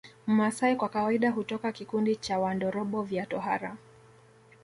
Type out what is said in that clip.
Mmasai kwa kawaida hutoka kikundi cha Wandorobo vya tohara